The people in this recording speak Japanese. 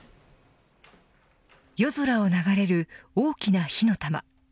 夜空を流れる大きなな火の玉。